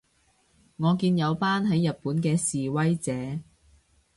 我見有班喺日本嘅示威者